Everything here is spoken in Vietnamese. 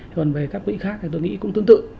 còn về các quỹ khác thì tôi nghĩ cũng tương tự